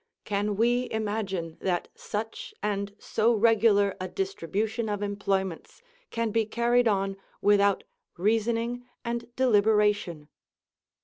Can we imagine that such, and so regular, a distribution of employments can be carried on without reasoning and deliberation?